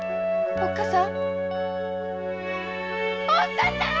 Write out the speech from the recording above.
おっ母さん‼